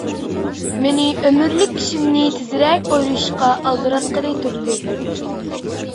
مېنى ئۆمۈرلۈك ئىشىمنى تېزرەك ئويلىشىشقا ئالدىراتقىلى تۇردى.